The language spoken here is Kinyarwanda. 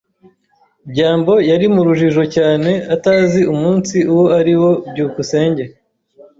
byambo yari mu rujijo cyane atazi umunsi uwo ariwo. byukusenge